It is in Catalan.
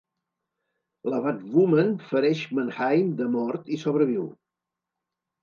La batwoman fereix Mannheim de mort i sobreviu.